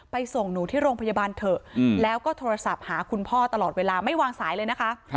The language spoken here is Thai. ส่งหนูที่โรงพยาบาลเถอะแล้วก็โทรศัพท์หาคุณพ่อตลอดเวลาไม่วางสายเลยนะคะ